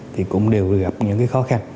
thì cũng đều gặp những cái khó khăn